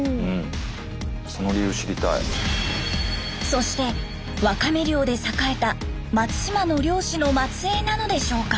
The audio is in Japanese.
そしてワカメ漁で栄えた松島の漁師の末えいなのでしょうか？